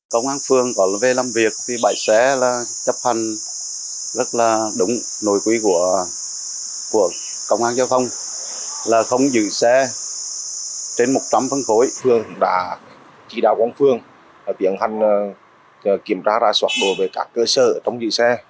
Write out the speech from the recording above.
công an phương đã chỉ đạo công phương tiến hành kiểm tra ra soát đối với các cơ sở trong dự xe